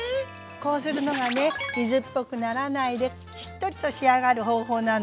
こうするのがね水っぽくならないでしっとりと仕上がる方法なの。